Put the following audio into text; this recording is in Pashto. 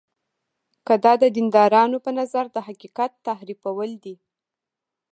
که دا د دیندارانو په نظر د حقیقت تحریفول دي.